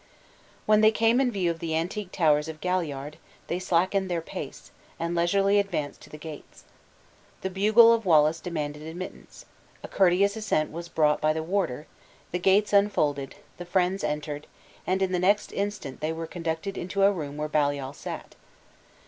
When they came in view of the antique towers of Galliard, they slackened their pace, and leisurely advanced to the gates. The bugle of Wallace demanded admittance; a courteous assent was brought by the warder; the gates unfolded, the friends entered; and in the next instant they were conducted into a room where Baliol sat.